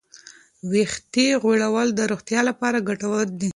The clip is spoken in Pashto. ویښتې غوړول د روغتیا لپاره ګټور دي.